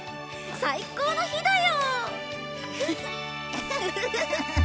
最高の日だよ！